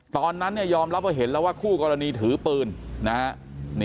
ตอนนั้นยอมรับว่าเห็นแล้วว่าคู่กรณีถือปืนนะฮะ